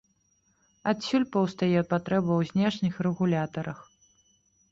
Адсюль паўстае патрэба ў знешніх рэгулятарах.